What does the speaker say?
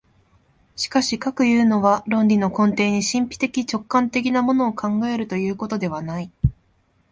しかしかくいうのは、論理の根底に神秘的直観的なものを考えるということではない。